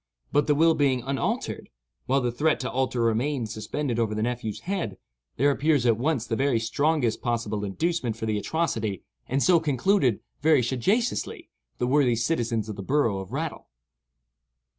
But the will being unaltered, while the threat to alter remained suspended over the nephew's head, there appears at once the very strongest possible inducement for the atrocity, and so concluded, very sagaciously, the worthy citizens of the borough of Rattle.